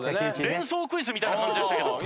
連想クイズみたいな感じでしたけど。